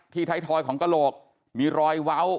ไทยทอยของกระโหลกมีรอยเว้า